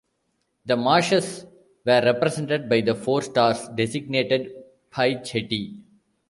The marshes were represented by the four stars designated Phi Ceti.